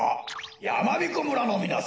やまびこ村のみなさん